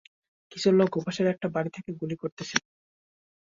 কিছু লোক ওপাশের একটা বাড়ি থেকে গুলি করতেছিলো।